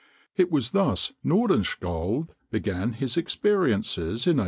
It was thus Nordenskjöld began his experiences in 1864.